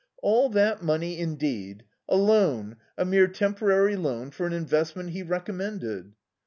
"All that money indeed! A loan, a mere temporary loan, for an investment he recommended."